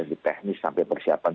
lebih teknis sampai persiapan